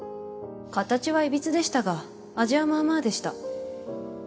形はいびつでしたが味はまあまあでした。